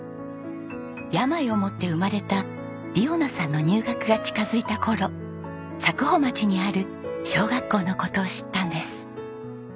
病を持って生まれた莉央奈さんの入学が近づいた頃佐久穂町にある小学校の事を知ったんです。